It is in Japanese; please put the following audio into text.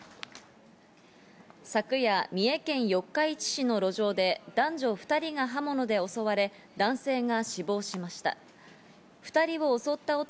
昨夜、三重県四日市市の路上で男女２人が刃物で襲われ、男性が死亡しました。